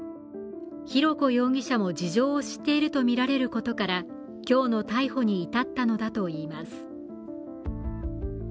浩子容疑者も事情を知っているとみられることから今日の逮捕に至ったのだといいます。